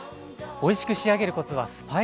おいしく仕上げるコツはスパイス使い。